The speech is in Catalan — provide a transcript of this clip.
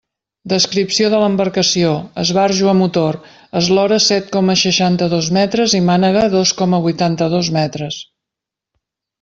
Descripció de l'embarcació: esbarjo a motor, eslora set coma seixanta-dos metres i mànega dos coma vuitanta-dos metres.